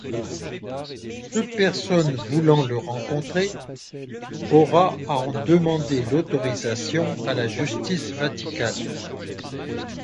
Toute personne voulant le rencontrer aura à en demander l'autorisation à la justice vaticane.